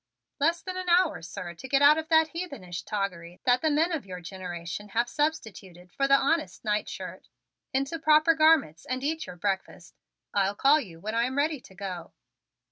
"Less than an hour, sir, to get out of that heathenish toggery that the men of your generation have substituted for the honest nightshirt, into proper garments, and eat your breakfast. I'll call you when I am ready to go."